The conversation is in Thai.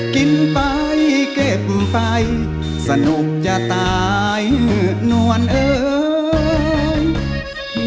กินไปเก็บไปสนุกจะตายเหนือกนวลเอ้ย